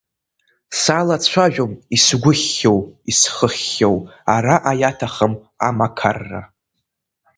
Салацәажәом исгәыхьхьоу, исхыхьхьоу, араҟа иаҭыԥым амақарра…